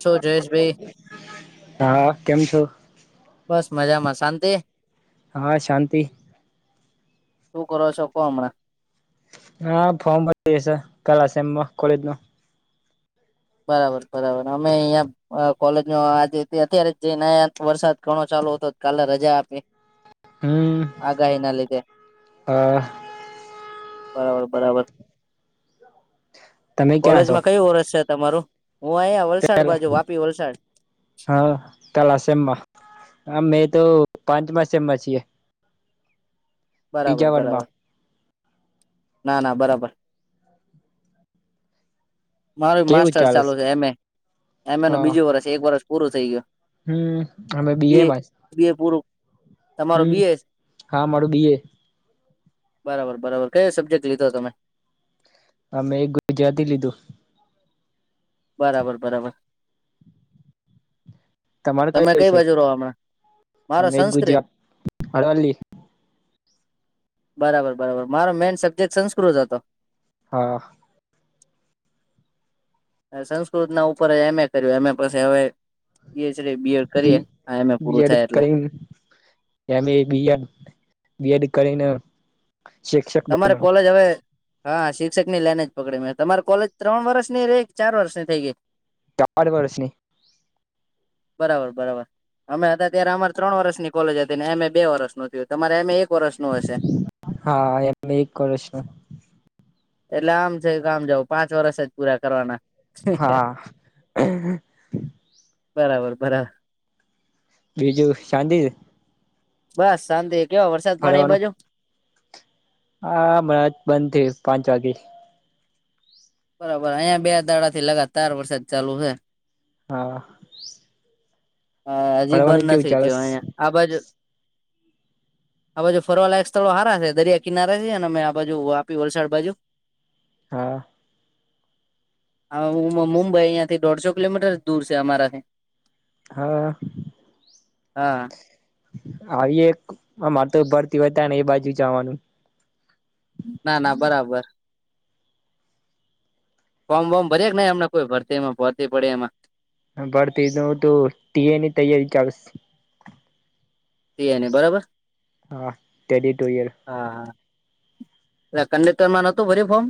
છો જયેશભાઈ હા કેમ છો? બસ મજામાં શાંતિ. હા શાંતિ શું કરો છોકો હમણાં. હા, ફોર્મ ભરી જશે કલાસમમાં કોલેજ નો. બરાબર બરાબર અમે અહીંયા હ કોલેજ ન આજે અત્યારે જઈને આયા વરસાદ ઘણો ચાલુ હતો કાલે રજા આપી. હમ આગાહીના લીધે. હા હા, બરાબર છે. તમે ક્યાં છો કોલેજમાં કયું વર્ષ છે? તમારુ? હું આયા વલસાડ બાજુ, વાપી-વલસાડ હા, કયા સેમમાં? અમે તો પાંચમા સેમમાં છીએ. બરાબર, બીજા વનમાં બરાબર. ના, ના, બરાબર. મારું કેવું માસ્ટર ચાલે ચાલુ છે. એમ. એ, એમ. એ નું હા બીજું વર્ષ પૂરું થઈ ગયું. હમ, તમે બી. એ. માં જ? બે પૂરું? તમારો બી. એ. છે? હા મારું બીએ બરાબર, બરાબર. કયો સબ્જેક્ટ લીધો તમે? અમે એક ગુજરાથી લીધું. બરાબર, બરાબર. તમારે તમે કયો કઈ વિષય બાજુ રહો હમણાં, મારો અમે એક સંસ્કૃત ગુજરાત અરવલ્લી બરાબર, બરાબર. મારો મેઈન સબ્જેક્ટ સંસ્કૃત હતો. હા. સંસ્કૃત ના ઉપર જ એમ. એ કર્યું, એ. મે પછી હવે પીએચડી, બી. એડ. કરીએ. એમ. એ. પૂરું બીએડ થાય એટલે. કરીને એમ. એ., બી. એડ. કરીને શિક્ષક તમારે બનવાનું કોલેજ હવે હા, શિક્ષક ની લાઈન જ પકડી મે. તમારી કોલેજ ત્રણ વર્ષની રહી, ચાર વર્ષ ની થઈ ગઈ. ત્રણ વર્ષની. બરાબર, બરાબર. અમે હતા ત્યારે અમારે ત્રણ વર્ષની કોલેજ હતી ને. એમ. એ. બે વર્ષનું થયું. તમારે એમ. એ. એક વર્ષનું હશે. હા, એમ. એ. એક વર્ષ નું. એટલે, આમ છે કે આમ જાવના પાંચ વર્ષ જ પૂરા કરવાના. હા. બરાબર, બરાબર. બીજું શાંતિ છે? બસ, શાંતિ. કેવો વરસાદ, પડે એ ફરવાનું બાજુ? હા, હમણા જ બંધ થયો પાંચ વાગે. બરાબર, અહિયાં બે દાડા થી લગાતાર વરસાદ ચાલુ છે. હા. હા, હજી બંધ ફરવાનું કેવું નથી ચાલસ થયો આ બાજુ. આ બાજુ ફરવાલાયક સ્થળો હારા છે, દરિયા કિનારા છે. અને મે આ બાજુ આપી, વલસાડ બાજુ. હા. હ, મુંબઈ અહીયાંથી દોઢસો કિલોમીટર જ દૂર છે અમારાથી. હા. હા. આવી એક અમારે તો ભરતી હોય તો ને, એ બાજુ જવાનું. ના, ના, બરાબર. ફોમ વોમ ભરે કે ન, એમને કોઈ ભરતીમાં ભરતી પડે એમાં. હ, બરતી નવ તો ટીની તૈયારી ચાલું છે. તેને બરાબર. હા, ટેલી ટુ ઇયર. હા, એ કંડેક્ટરમાં નહોતું ભરી ફોમ.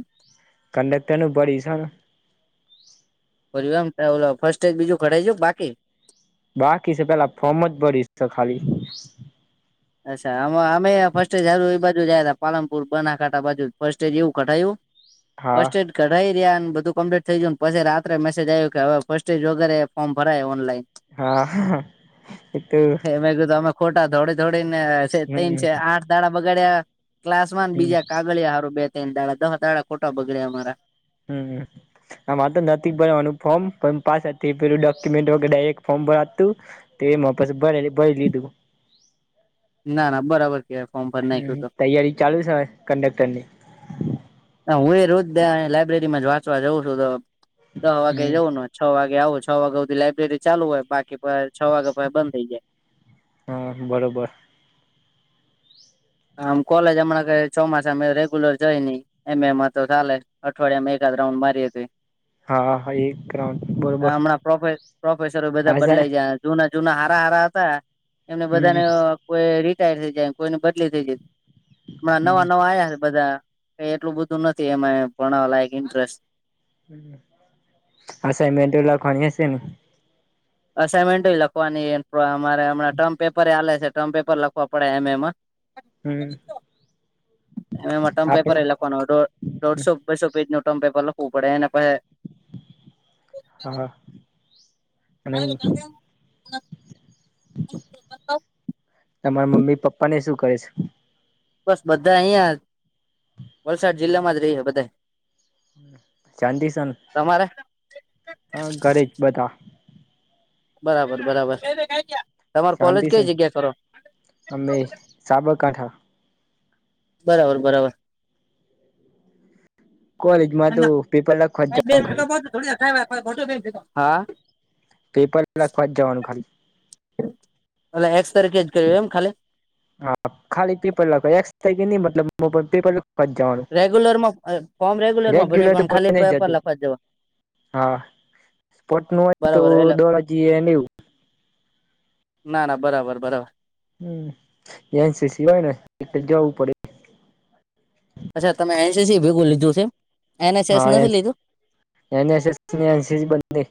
કડક્ટરનું ભરીસ હને. બ એમ ફર્સ્ટ એડ, બીજું ખડાઈ જ બાકી. બાકી છે પેલા ફોર્મ જ ભરીશ છે ખાલી. અચ્છા અમે ફર્સ્ટેજ હાર એ બાજુ જયા ત પાલનપુર બનાકાંઠા બાજુ ફર્સ્ટેજ એવું કડાયું. ફસ્ટ હા એડ. રઈ રહ્યા ને, બધું કમ્પ્લીટ થઈ ગયું. પછી રાત્રે મેસેજ આવ્યું કે, હવે ફર્સ્ટ એજ વગેરે ફોર્મ ભરાય ઓનલાઈન. હા, એ તો તો કીધું અમે ખોટા થોડી થોડી ને, હમ છે આઠ દાણા બગાડ્યા. ક્લાસમાં હમ બીજા કાગળિયા હારું બે ત્રણ દાડા દહ દાડા ખોટા બગડ્યા અમારા. હમ. આમાંરે તો નથી ભરવાનું ફોર્મ પણ પાછા પેલું ડોક્યુમેન્ટગ ડાયરેક્ટ ફોર્મ ભરાતું. તે એમાં પછી ભરે ભરી લીધું. ના ના બરાબર કેવાય ફોર્મ ભરી નાખ્યું હ તો તૈયારી ચાલુ છે હવે કંડક્ટર ની. હ હું એ રોજ લાઈબ્રેરીમાં જ વાંચવા જઉં છું તો દહ વાગે હમ જવું ન છ વાગે આવો છ વાગે સુધી લાઈબ્રેરી ચાલુ હોય બાકી છ વાગે પછી બંધ થઈ જાય. હા બરોબર. આમ કોલેજ હમણાં ક ચોમાસ અમે રેગ્યુલર જઈ નહી. એમ એમાં તો ચાલે અઠવાડિયામાં એકાદ રાઉન્ડ મારી તોય. હા, હા એ [unintelligible] હમણાં પ્રોફેસરો બધા બદલાઈ જયા જૂના જૂના હારા હારા હતા એમને હમ બધાને કોઈ રિટાયર થઈ જાય કોઈની બદલી થઈ ગઈ હમણાં નવા હમ નવા આવ્યા છે બધા એટલું બધું નથી એમાં ભણાવા લાયક ઇન્ટરેસ્ટ. અસાાઈનમેન્ટો લખવાની હશે ને. અસાાઈનમેન્ટો લખવાની અમારે હમણાં ટર્મ પેપરે આલે છે ટર્મ પેપર લખવા પડે એમ એમાં. હમ. એમાં ટર્મ આપડે પેપર એ લખવાનું દોઢસો બસો પેજ નું ટર્મ પેપર લખવું પડે એને પછી હા [unintelligible] તમારા મમ્મી પપ્પાને શું કરે છે. બસ બધા અહિયાં વલસાડ જિલ્લામાં જ રહે બધા. ચાંદી સન તમારે હા ઘરે જ બધા. બરાબર બરાબર. તમાર કોલેજ શાંતિ કઈ સન જગ્યા કરો અમે સાબરકાંઠા. બરાબર બરાબર. કોલેજ માં તો પેપર લખવા જવાનું ખાલી [unintelligible] પેપર લખવા જ જવાનું ખાલી એ એક્સ તારીખે જ કરયું એમ ખાલી. હ ખાલી પેપર લખવા મતલબ પેપર [unintelligible] રેગ્યુલર માં ફોર્મ રેગ્યુલર માં ભર્યું તો પણ કોઈ ખાલી નહી પેપર જતું લખવા જવાનું. હા સ્પોટ નું હોય તો બરાબર એટલે દોડજી એવું. ના, ના, બરાબર, બરાબર. હમ એ છે એનસીસી હોય ને જવું પડે. અચ્છા તમે એનસીસી ભેગું લીધું છે. એનએસએસ હા નથી લીધું એ એનસસ એનસીસી બને.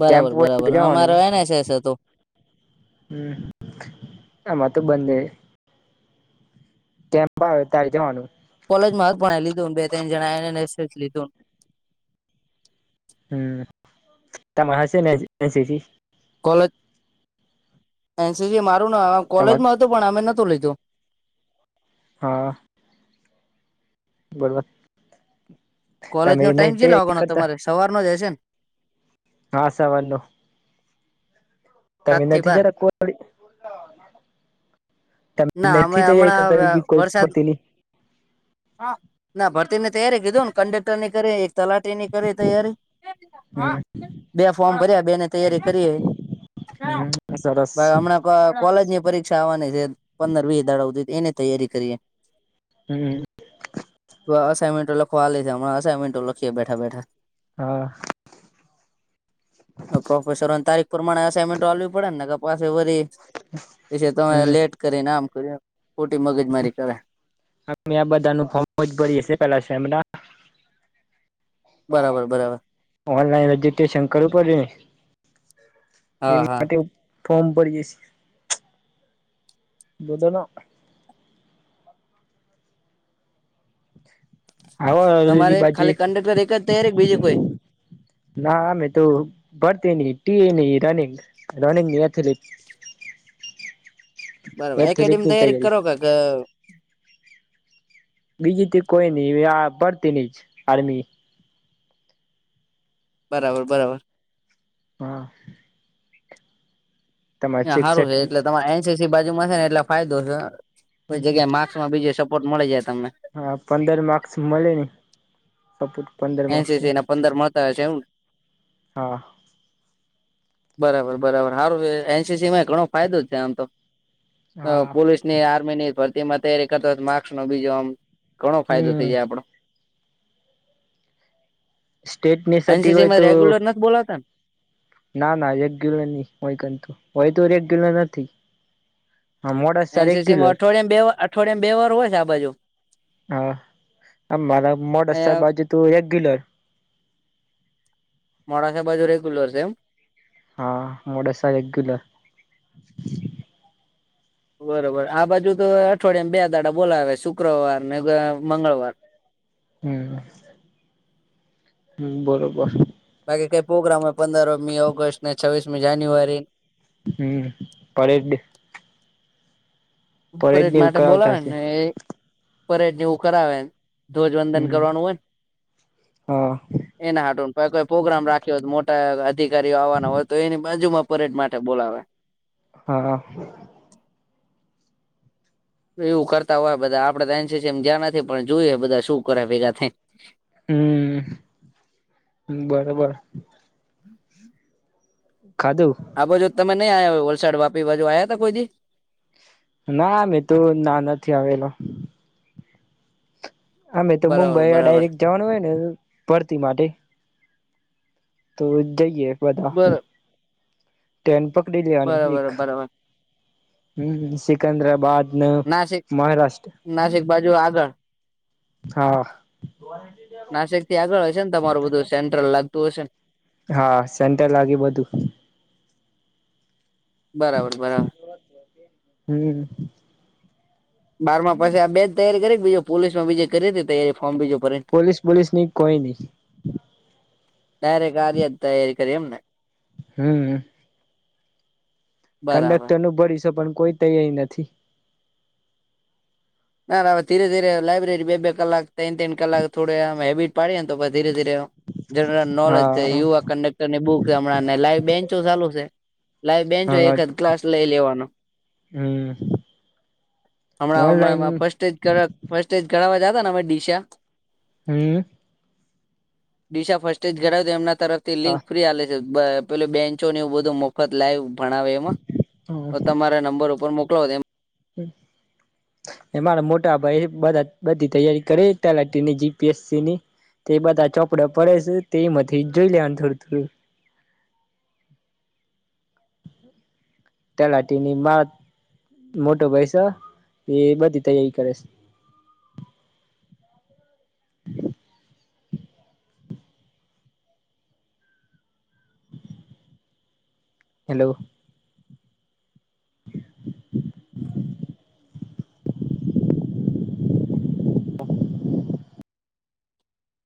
બરાબર બરાબર અમારો એનએસ હતું. હમ અમાર તો બને. કેમ આવે તાર જવાનું. કોલેજ માં જ ભણાઈ લીધું બે ત્રણ જણા એનએસ જ લીધું. હમ્મ, તમ હશેને એસીટી. કોલે, એન સી સી મારું તમાર કોલેજમાં હતું પણ અમે નતું લીધું. હા. બરોબર કોલેજ નો તમે ટાઈમ તે કેટલો નહી વાગવાનો કરતા. તમારે સવારનો જ હશે ને? હા, સવારનો. સાત તમે થી નથી બાર જતા [unintelligible] ના તમે અમે નથી તૈયારી હમણાં કરતા બીજી કોઈ [unintelligible] હા ના ભરતી ને તૈયારી કીધું ને કંડક્ટર ની કરી તલાટીની કરી તૈયારી, હમ બે ફોર્મ ભર્યા બે ની તૈયારી કરી. હમ્મ, સરસ. હમણાં કોલેજ ની પરીક્ષા આવવાની છે પંદર વી દડાધ એની તૈયારી કરીએ. હમ્મ. અસાઇનમેન્ટો લખવા આલે હમણાં અસાઇમેન્ટ લખીએ બેઠા બેઠા. હા. પ્રોફેસરોની તારીખ પ્રમાણે એસાઈમેન્ટો આલવી પડે ને ની તો પાસી પશી તમે હમ લેટ કરીને આમ કર્યું ખોટી મગજ મારી કરે. મેં આ બધા નું ફોર્મ જ ભરીએ શે પેલા શેમીના બરાબર બરાબર. ઓનલાઈન રજસ્ટ્રેશન કરવું પડેને, હા એ હા માટે ફોર્મ ભરીએ શીએ. લોદોના. હવાલી તમારે બાજુ ખાલી કંડેક્ટર એક જ તૈયારી કે બીજું કોઈ? ના મે તો ભરતી ની ટીઈ ની રનિંગ રનિંગ ની એથલી બરોબર એકેડેમ તૈયારી કરો કે ક બીજી તી કોઈ નઈ આ ભડતી ની જ આર્મી. બરાબર બરાબર. હા. તમારા સારું શિક્ષક છે એટલે તમા એન સી સી બાજુમાં છે ને એટલે ફાયદો છે કોઈ જગ્યાએ માર માં બીજે સપોર્ટ મળી જાય તમને. હા પંદર માર્ક્સ મળે ને. કફુટ પંદ એન સી સી ના પંદર માક આવે છે એમ? હા. બરાબર બરાબર, હારું હે એન સી સી માં ઘણો ફાયદો જ છે આમ તો. હા પોલીસ ની, આર્મી ની ભરતીમાં તૈારી કર માર્સ નો બીજો આમ. ઘણો ફાયદો થઇ હમ જાય આપણો. સ્ટેટ ની સતી હોય તો બોલ હતાન. ના ના એક ગિલો નહી હોય કતું હોય તો એક ગિલો નથી. હા મોડાસા એન સી સી માં રેગ્યુલર અઠવાડિયા બે વાર અઠવાડિયામ બે વાર હોય છે આ બાજુ? હા, મારા અ મોડાસા બાજુ તો રેગ્યુલર. મોડાસા બાજુ રેગ્યુલર છે એમ? હા મોડાસા રેગ્યુલર. બરોબર આ બાજુ તો અઠવાડિયામાં બે દાડા બોલાવે શુક્રવાર ને મંગળવાર. હમ્મ. હમ્મ, બરોબર. બાકી કઈ પ્રોગ્રામ હો પંદરમી ઓગસ્ટ ને છવીસમી જાન્યુઆરી. હમ્મ, પરેડ ડે. પરેડ ઉપરટ ને એવું માટે કરાવતા બોલાવે હશે ને એ પરેડ જેવું કરાવે ધ્વજવંદન હમ કરવાનું હોય. હા એના હાડ કોઈ પ્રોગ્રામ રાખ્યો હો મોટા અધિકારીઓ આવવાના હોય તો એની બાજુમાં પરેડ માટે બોલાવે હા હા. એવું કરતા હોય બધા આપડે તો એમ જ્યાં નથી પણ જોયું બધા શું કરે ભેગા થાય. હમ્મ, બરોબર. હમ હ કાદવ. આ બાજુ તમે નહી આવ્યા વલસાડ વાપી બાજુ આવ્યા હતા કોઈ દી. ના મેં તો ના નથી આવેલો અમે તો બરાબર મુંબઈ બરાબર ડાયરેક્ટ જવાનું હોય ને ભરતી માટે તો જઈએ બધા બર ટેન પકડી લેવાની બરાબર એક હ બરાબર સિકંદરાબાદ ને નાસિક મહારાષ્ટ્ર નાસિક બાજુ આગળ હા. નાસક થી આગળ હશે ને તમારું બધું સેન્ટ્રલ લાગતું હશે ને. હા સેન્ટર લાગ્યું બધું બરાબર બરાબર હમ્મ બાર માં પાસે આ બે જ તૈયારી કરી બીજો પોલીસમાં બીજે કરી હતી તૈયારી ફર્મ બીજો ભરી પોલીસ પોલીસ ની કોઈ નઈ ડાયરેક આ તૈયારી કરી એમ ને. હમ્મ બરાબર કંડક્ટર નું ભરીશ પણ કોઈ તૈયારી નથી ના હવે ધીરે ધીરે લાઈબ્રેરી બે કલાક ત ત્રણ કલાક થોડે હેબિટ પાડીએ ને તો ધીરે ધીરે જનરલ નોલેજ હા યુવા કન્ડક્ટરની બુક હમણાં ને લાઈવ બેન્ચો ચાલુ છે. લાઈ બેચો હા એક જ ક્લાસ લઈ લેવાનો હમ હમણાં ઓનલાઈન હમણાં ફસ્ટ એજ ફસ્ટ એજ ઘવા જાતા ને અમે દડીશા હમ્મ દિશા ફર્સ્ટ એજ ઘડાવ તો એમના તરફથી લિંક હા ફ્રી હાલે છ. અ બ પેલ બેન્ચો ને એવું બધું મફત લાઈ ભણાવે એમાં તો તમારા નંબર ઉપર મોકલોવ એમ હમ્મ મારા મોટા ભાઈ બધી તૈયારી કરે તલાની જી પી એસ સી ની. તે બધા ચોપડા પડે છે તે એમાંથી જોઈ લેને થોડું થોડું તલાટીની મા મોટો ભય છે એ બધી તૈયારી કરે છે. હલો હ